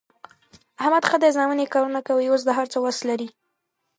احمد ښه دی زامن یې کارونه کوي، اوس د هر څه وس لري.